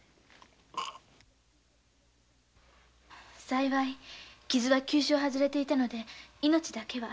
幸い傷は急所を外れていたので命だけは。